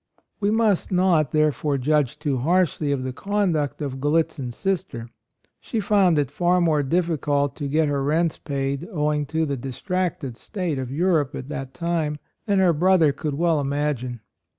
We must not, therefore, judge too harshly of the conduct of Gallitzin's sister. She found it far more difficult to get her rents paid, owing to the distracted state of Europe at that time, than her brother could well imagine.